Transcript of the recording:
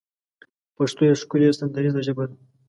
پښتو يوه ښکلې سندريزه ژبه ده